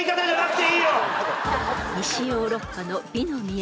［西ヨーロッパの美の都